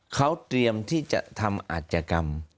เขาเตรียมที่จะทำอาจกรรม